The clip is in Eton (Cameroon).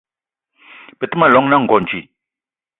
Be te ma llong na Ngonj